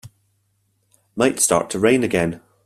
Might start to rain again.